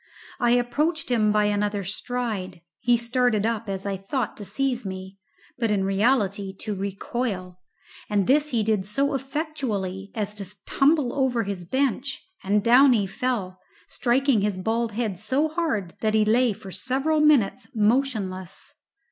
I approached him by another stride; he started up, as I thought, to seize me, but in reality to recoil, and this he did so effectually as to tumble over his bench, and down he fell, striking his bald head so hard that he lay for several minutes motionless.